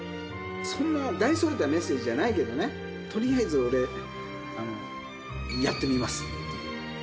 そんな大それたメッセージじゃないけどね、とりあえず俺、やってみますっていう。